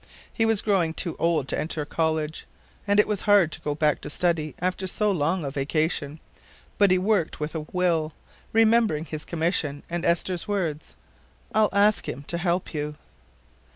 He was growing old to enter college, and it was hard to go back to study after so long a vacation, but he worked with a will, remembering his commission and Esther's words: I'll ask Him to help you."